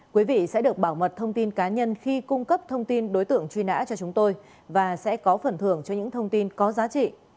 quý vị sẽ được bảo mật thông tin cá nhân khi cung cấp thông tin đối tượng truy nã cho chúng tôi và sẽ có phần thưởng cho những thông tin có giá trị